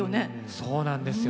そうなんですよね。